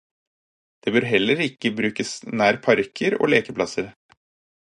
Det bør heller ikke brukes nær parker og lekeplasser.